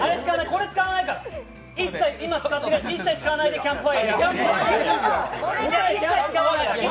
これ使わないで一切使わないでキャンプファイヤー。